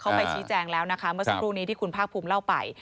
เขาไปชี้แจงแล้วนะคะเมื่อสักครู่นี้ที่คุณภาคภูมิเล่าไป